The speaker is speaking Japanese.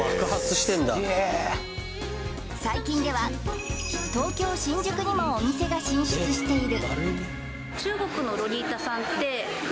すげえ最近では東京・新宿にもお店が進出している